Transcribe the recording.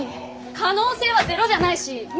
可能性はゼロじゃないしみ